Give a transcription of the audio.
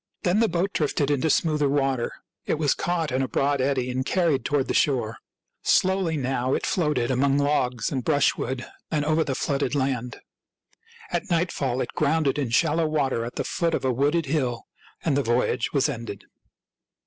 Then the boat drifted into smoother water. It was caught in a broad eddy and carried toward the shore. Slowly now it floated among logs and brushwood and over the flooded land. At night fall it grounded in shallow water at the foot of a wooded hill ; and the voyage was ended.